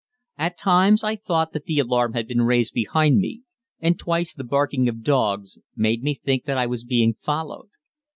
At times I thought that the alarm had been raised behind me, and twice the barking of dogs made me think that I was being followed.